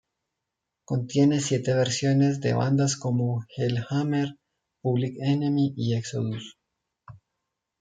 Contiene siete versiones de bandas como Hellhammer, Public Enemy y Exodus.